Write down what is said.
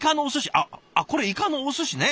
あっこれイカのおすしね。